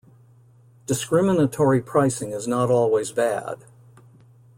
Discriminatory pricing is not always bad.